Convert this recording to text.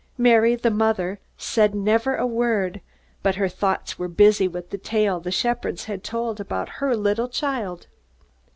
Mary, the mother, said never a word, but her thoughts were busy with the tale the shepherds had told about her little child.